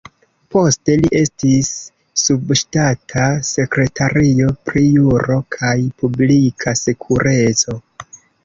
Poste, li estis subŝtata sekretario pri Juro kaj Publika Sekureco.